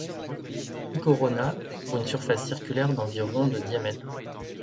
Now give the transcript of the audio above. Ki Corona couvre une surface circulaire d'environ de diamètre.